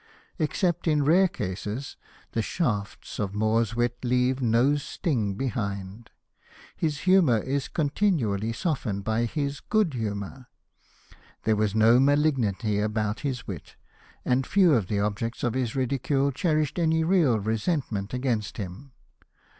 Except in rare cases, the shafts of Moore's wit leave no sting behind. His humour is continually softened by his good humour. There was no maHgnity about his wit, and few of the objects of his ridicule cherished any real resent ment against him.